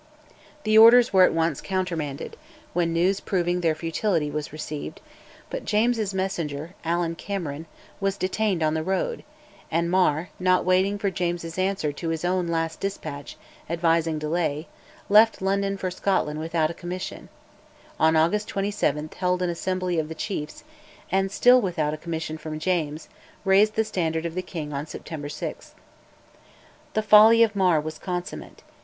The orders were at once countermanded, when news proving their futility was received, but James's messenger, Allan Cameron, was detained on the road, and Mar, not waiting for James's answer to his own last despatch advising delay, left London for Scotland without a commission; on August 27 held an Assembly of the chiefs, and, still without a commission from James, raised the standard of the king on September 6. {254a} The folly of Mar was consummate.